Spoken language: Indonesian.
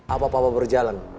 apa papa berjalan